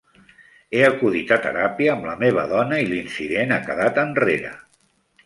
He acudit a teràpia amb la meva dona i l'incident ha quedat enrere.